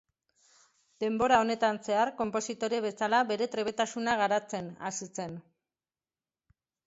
Denbora honetan zehar konpositore bezala bere trebetasuna garatzen hasi zen.